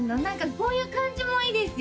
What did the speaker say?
こういう感じもいいですよ